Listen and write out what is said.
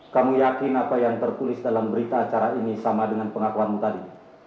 kamu yakin apa yang tertulis dalam berita acara ini sama dengan pengakuanmu tadi